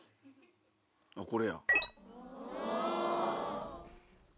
あっこれや。